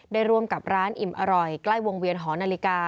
ร่วมกับร้านอิ่มอร่อยใกล้วงเวียนหอนาฬิกา